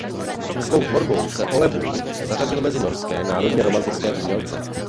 Svou tvorbou se Ole Bull zařadil mezi norské národně romantické umělce.